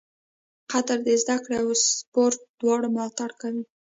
قطر د زده کړې او سپورټ دواړو ملاتړ کوي.